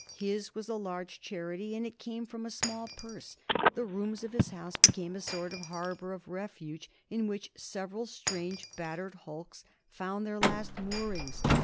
His was a large charity, and it came from a small purse. The rooms of his house became a sort of harbour of refuge in which several strange battered hulks found their last moorings.